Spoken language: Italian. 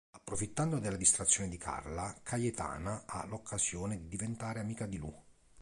Approfittando della distrazione di Carla, Cayetana ha l'occasione per diventare amica di Lu.